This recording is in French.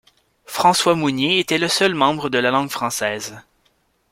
François Mounier était le seul membre de langue française.